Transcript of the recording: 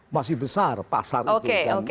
masih besar pasar itu